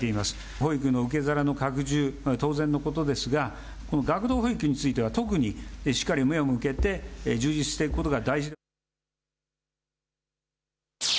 保育の受け皿の拡充、当然のことですが、学童保育については特に、しっかり目を向けて、充実していくことが大事。